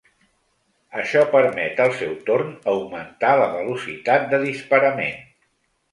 Això permet al seu torn augmentar la velocitat de disparament.